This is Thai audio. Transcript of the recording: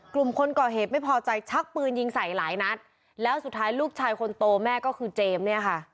กลุ่มคนก่อเหตุไม่พอใจชักปืนยิงใส่หลายนัดแล้วสุดท้ายลูกชายคนโตแม่ก็คือเจมส์เนี่ยค่ะ